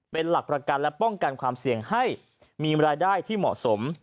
เป็นหลักประกันและป้องกันความเสี่ยงให้มีรายได้ที่เหมาะสม